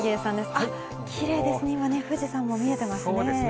あっ、きれいですね、今ね、富士山も見えてますね。